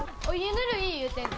ぬるい言うてんで。